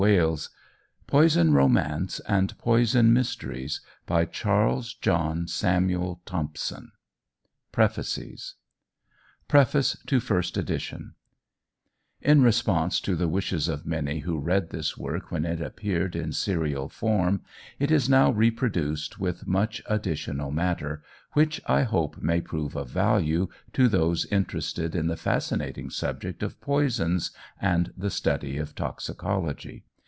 OVER 300 VOLUMES. Write to Messrs. Routledge for a complete list of the Series. PREFACE TO FIRST EDITION IN response to the wishes of many who read this work when it appeared in serial form, it is now reproduced with much additional matter, which I hope may prove of value to those interested in the fascinating subject of poisons and the study of toxicology.